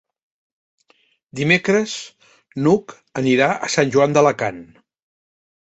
Dimecres n'Hug anirà a Sant Joan d'Alacant.